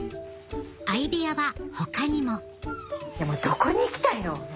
相部屋は他にもどこに行きたいの？